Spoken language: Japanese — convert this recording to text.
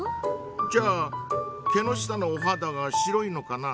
じゃあ毛の下のお肌が白いのかな？